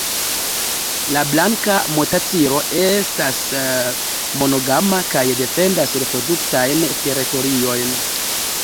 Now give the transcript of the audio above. La Blanka motacilo estas monogama kaj defendas reproduktajn teritoriojn.